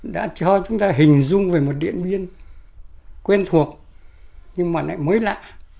đã cho chúng ta hình dung về một điện biên quen thuộc nhưng mà lại mới lạ